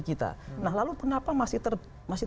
kita nah lalu kenapa masih